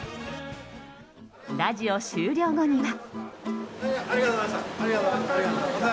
ラジオ終了後には。